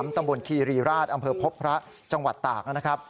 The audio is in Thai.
ตำบลคีรีราชอำเภอพบพระจังหวัดตากนะครับ